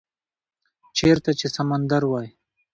- چیرته چې سمندر وی،